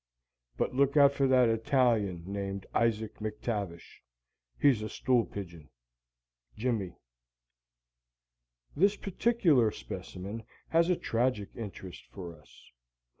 But look out fer that Italian named Isaac McTavish, he's a "stool pigeon" Jimmie. This particular specimen has a tragic interest for us.